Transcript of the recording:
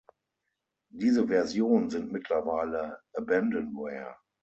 Diese Versionen sind mittlerweile Abandonware.